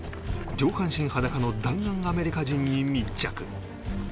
上半身裸の弾丸アメリカ人に密着